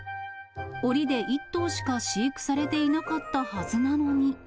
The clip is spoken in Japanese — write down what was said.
おりで１頭しか飼育されていなかったはずなのに。